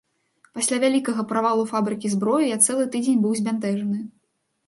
Пасля вялікага правалу фабрыкі зброі, я цэлы тыдзень быў збянтэжаны.